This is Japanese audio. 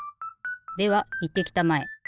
ではいってきたまえ。